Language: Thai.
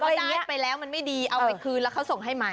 คือถ้าเกิดว่าได้ไปแล้วมันไม่ดีเอาไปคืนแล้วเค้าส่งให้ใหม่